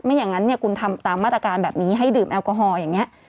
อย่างนั้นเนี่ยคุณทำตามมาตรการแบบนี้ให้ดื่มแอลกอฮอล์อย่างนี้